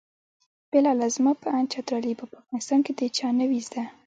بلاله زما په اند چترالي به په افغانستان کې د چا نه وي زده.